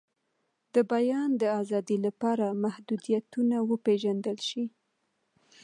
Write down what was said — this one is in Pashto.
د بیان د آزادۍ لپاره محدودیتونه وپیژندل شي.